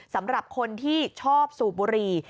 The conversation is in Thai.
สำหรับคนที่ชอบสูบบุหรี่